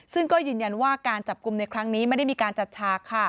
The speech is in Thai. ซึ่งก็ยืนยันว่าการจับกลุ่มในครั้งนี้ไม่ได้มีการจัดฉาก